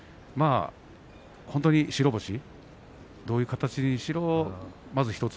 本当に白星、どういう形にしろまず１つ